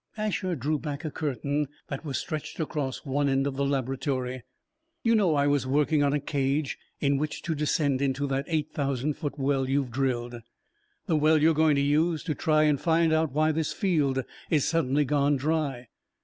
Asher drew back a curtain that was stretched across one end of the laboratory. "You know I was working on a cage in which to descend into that eight thousand foot well you've drilled the well you're going to use to try and find why this field is suddenly gone dry.